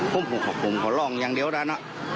ผมของเขาลองอย่างเดียวนั้น